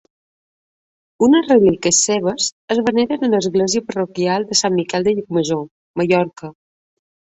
Unes relíquies seves es veneren a l'Església Parroquial de Sant Miquel de Llucmajor, Mallorca.